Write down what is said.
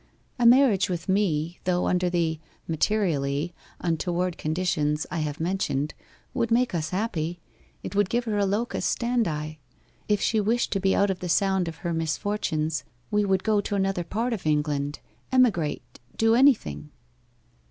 A marriage with me, though under the materially untoward conditions I have mentioned, would make us happy; it would give her a locus standi. If she wished to be out of the sound of her misfortunes we would go to another part of England emigrate do anything.